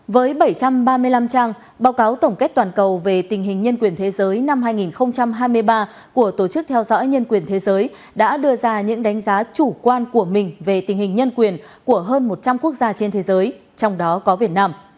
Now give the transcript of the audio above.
với bảy trăm ba mươi năm trang báo cáo tổng kết toàn cầu về tình hình nhân quyền thế giới năm hai nghìn hai mươi ba của tổ chức theo dõi nhân quyền thế giới đã đưa ra những đánh giá chủ quan của mình về tình hình nhân quyền của hơn một trăm linh quốc gia trên thế giới trong đó có việt nam